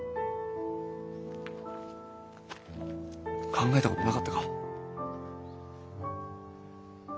考えたことなかったか？